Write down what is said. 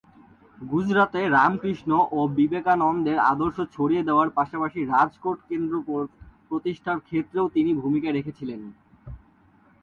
গুজরাটে রামকৃষ্ণ ও বিবেকানন্দের আদর্শ ছড়িয়ে দেওয়ার পাশাপাশি রাজকোট কেন্দ্র প্রতিষ্ঠার ক্ষেত্রেও তিনি ভূমিকা রেখেছিলেন।